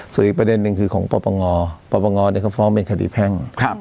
ส่วนอีกประเด็นหนึ่งคือของประปังงอประปังงอเนี้ยเขาฟ้อมเป็นคดีแพร่ง